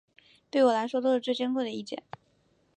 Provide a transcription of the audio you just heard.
对我来说都是最珍贵的意见